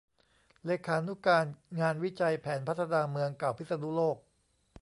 เลขานุการงานวิจัยแผนพัฒนาเมืองเก่าพิษณุโลก